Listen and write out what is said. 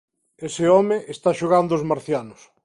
Ese home está xogando aos marcianos.